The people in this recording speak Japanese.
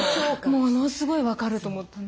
ものすごい分かると思って。